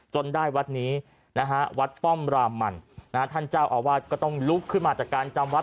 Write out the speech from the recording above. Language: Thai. ท่านเจ้าอ่อว่าก็ต้องลุกขึ้นมาจากการจำวัด